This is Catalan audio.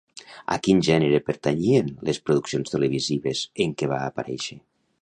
A quin gènere pertanyien les produccions televisives en què va aparèixer?